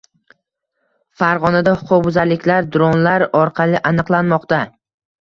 Farg‘onada huquqbuzarliklar dronlar orqali aniqlanmoqda